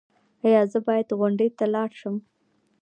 ایا زه باید غونډې ته لاړ شم؟